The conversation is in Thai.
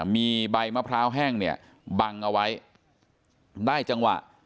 มีใบมะพร้าวแห้งเนี่ยบังเอาไว้ได้จังหวะ